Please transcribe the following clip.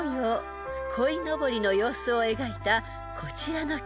［こいのぼりの様子を描いたこちらの曲］